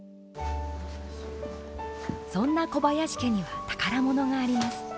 そんな小林家には宝物があります。